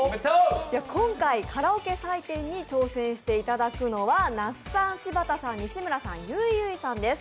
今回、カラオケ採点に挑戦していただくのは、那須さん、柴田さん、西村さん、ゆいゆいさんです。